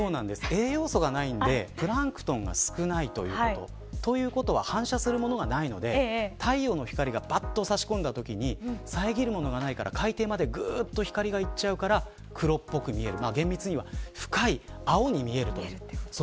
栄養素がないので、プランクトンが少ないということ。ということは反射するものがないので太陽の光が差し込んだときにさえぎるものがないから海底までぐっと光がいくから黒っぽく見える。